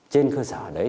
trên cơ sở đấy